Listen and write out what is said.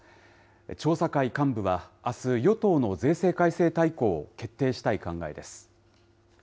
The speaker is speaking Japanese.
調査会幹部は、あす、与党の税制改正大綱を決定したい考えです。